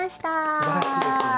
すばらしいですね。